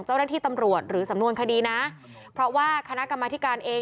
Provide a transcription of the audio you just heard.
เจ้าหน้าที่ตำรวจหรือสำนวนคดีนะเพราะว่าคณะกรรมธิการเอง